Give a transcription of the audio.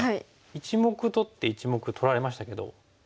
１目取って１目取られましたけどどうですか？